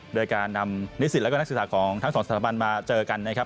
โดยการนำนิสิตและก็นักศึกษาของทั้งสองสถาบันมาเจอกันนะครับ